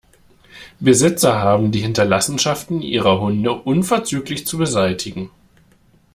Besitzer haben die Hinterlassenschaften ihrer Hunde unverzüglich zu beseitigen.